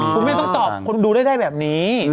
คุณแม่ต้องตอบคนดูได้แบบนี้